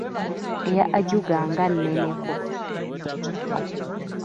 Eya Ajuga nga nneneko!